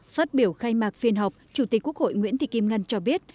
phát biểu khai mạc phiên họp chủ tịch quốc hội nguyễn thị kim ngân cho biết